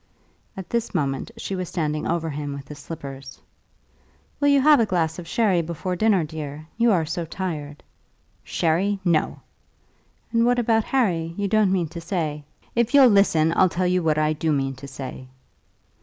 At this moment she was standing over him with his slippers. "Will you have a glass of sherry before dinner, dear; you are so tired?" "Sherry no!" "And what about Harry? You don't mean to say " "If you'll listen, I'll tell you what I do mean to say."